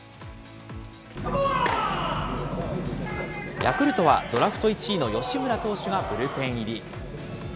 ヤクルトは、ドラフト１位の吉村投手がブルペン入り。